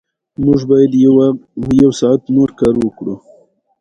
او هغو کسان ته چي ايمان ئې راوړى